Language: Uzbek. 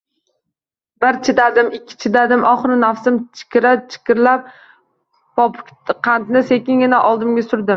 Bir chidadim, ikki chidadim, oxiri nafsim jikira-jikirlab, popukqandni sekingina oldimga surdim